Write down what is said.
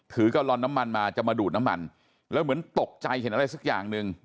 กะลอนน้ำมันมาจะมาดูดน้ำมันแล้วเหมือนตกใจเห็นอะไรสักอย่างหนึ่ง